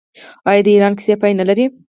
آیا د ایران کیسه پای نلري؟